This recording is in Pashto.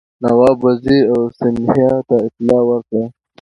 نواب وزیر او سیندهیا ته اطلاع ورکړه شوه.